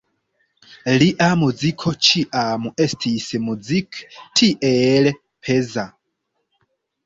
Lia muziko ĉiam estis Musik tiel peza.